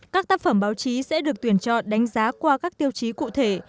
các tác phẩm báo chí sẽ được tuyển chọn đánh giá qua các tiêu chí cụ thể